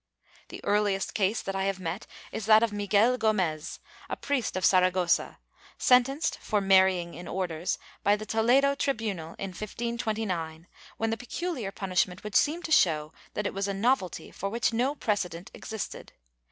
The earliest case that I have met is that of Miguel Gomez, a priest of Saragossa, sentenced, for marrying in orders, by the Toledo tribunal in 1529, when the peculiar punishment would seem to show that it was a novelty for which no precedent existed.